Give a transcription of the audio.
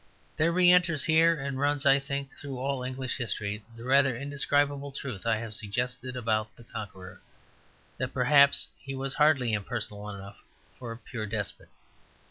There re enters here, and runs, I think, through all English history, the rather indescribable truth I have suggested about the Conqueror; that perhaps he was hardly impersonal enough for a pure despot.